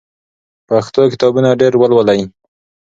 پښتو کتابونه ډېر ولولئ.